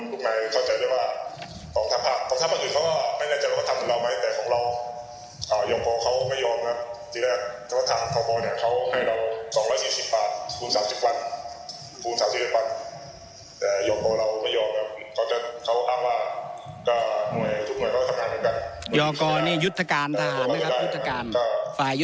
แต่ยกตัวเรามัยยอมเขาอะนะยกตัวนี่ยุทธการธาตุนะครับ